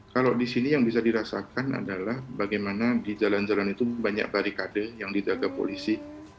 kalau di sini yang bisa dirasakan adalah bagaimana di jalan jalan itu banyak barikade yang didaga polisi